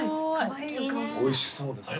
おいしそうですね。